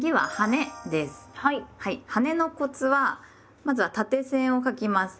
はねのコツはまずは縦線を書きます。